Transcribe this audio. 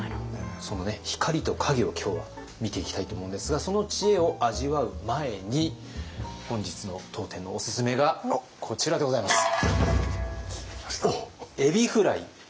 その光と影を今日は見ていきたいと思うんですがその知恵を味わう前に本日の当店のおすすめがこちらでございます。